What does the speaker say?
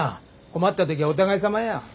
困った時はお互いさまよ。